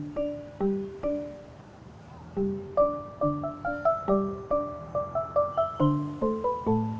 buat siapa banyak dari stranger things